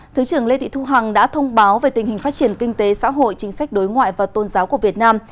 thứ trưởng lê thị thu hằng đã thông báo về tình hình phát triển kinh tế xã hội chính sách đối ngoại và tôn giáo của việt nam